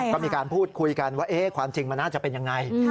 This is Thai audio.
ก็มีการพูดคุยกันว่าความจริงมันน่าจะเป็นยังไง